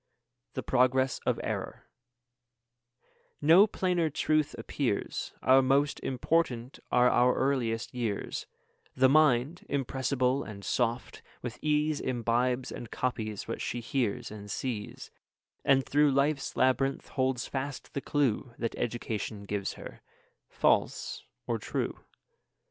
THE PROGRESS OF ERROR No plainer truth appears, Our most important are our earliest years; The mind, impressible and soft, with ease Imbibes and copies what she hears and sees, And through life's labyrinth holds fast the clue 5 That education gives her, false or true.